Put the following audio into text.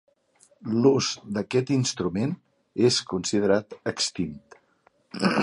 L'ús d'aquest instrument és considerat extint.